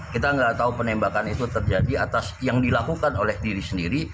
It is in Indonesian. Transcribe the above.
kita nggak tahu penembakan itu terjadi atas yang dilakukan oleh diri sendiri